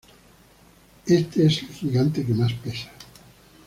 Este es el gigante que más pesa.